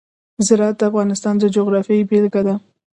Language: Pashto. زراعت د افغانستان د جغرافیې بېلګه ده.